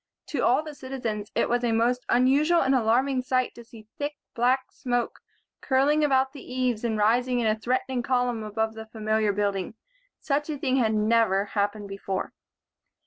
To all the citizens it was a most unusual and alarming sight to see thick, black smoke curling about the eaves and rising in a threatening column above the familiar building. Such a thing had never happened before.